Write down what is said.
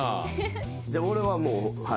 じゃあ俺はもうはい。